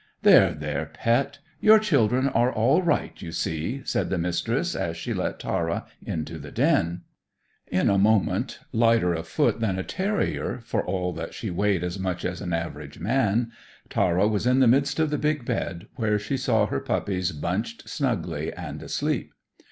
"There, there, pet; your children are all right, you see," said the Mistress, as she let Tara into the den. In a moment, lighter of foot than a terrier, for all that she weighed as much as an average man, Tara was in the midst of the big bed, where she saw her puppies bunched snugly and asleep.